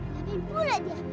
lebih pula dia